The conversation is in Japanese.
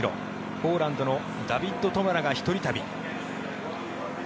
ポーランドのダビッド・トマラが１人旅。